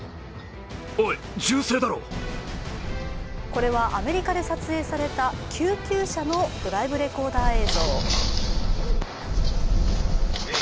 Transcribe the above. これはアメリカで撮影された救急車のドライブレコーダー映像。